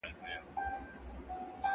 په ستونزو کې حوصله د انسان ځواک دی.